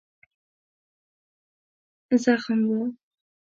زخم و.